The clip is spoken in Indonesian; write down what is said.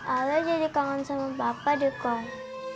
alia jadi kangen sama bapak deh kong